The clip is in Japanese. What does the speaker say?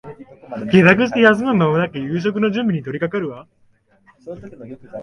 帰宅して休む間もなく夕食の準備に取りかかる